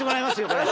これ。